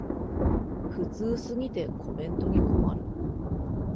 普通すぎてコメントに困る